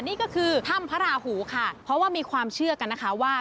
นี่ก็คือถ้ำพระราหูค่ะเพราะว่ามีความเชื่อกันนะคะว่า